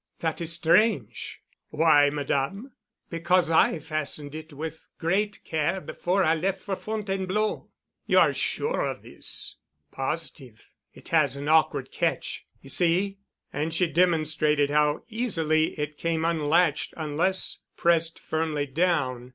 "That is strange." "Why, Madame?" "Because I fastened it with great care before I left for Fontainebleau." "You are sure of this?" "Positive. It has an awkward catch. You see?" And she demonstrated how easily it came unlatched unless pressed firmly down.